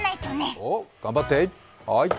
おっ、頑張って！